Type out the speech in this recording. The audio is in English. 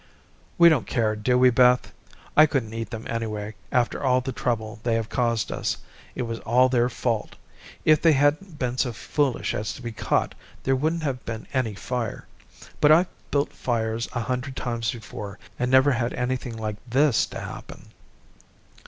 "We don't care, do we, Beth? I couldn't eat them, anyway, after all the trouble they have caused us. It was all their fault. If they hadn't been so foolish as to be caught, there wouldn't have been any fire. But I've built fires a hundred times before and never had anything like this to happen."